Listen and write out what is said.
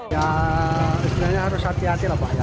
ya sebenarnya harus hati hati lah pak ya